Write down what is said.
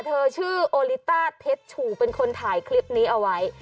เธอชื่อโอลิต้าเพชรชูเป็นคนถ่ายคลิปนี้เอาไว้